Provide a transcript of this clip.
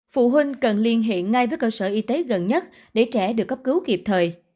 phụ huynh cần liên hệ ngay với cơ sở y tế gần nhất để trẻ được cấp cứu kịp thời